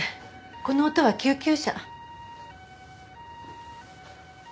この音は救急車。